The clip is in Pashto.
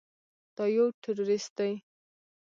دا يو ټروريست دى.